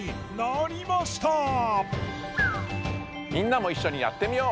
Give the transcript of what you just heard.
みんなもいっしょにやってみよう！